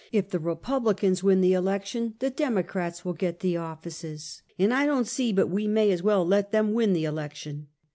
If the Republicans win the elec tion, the Democrats will get the offices, and I don't see but we may as well let them win the election."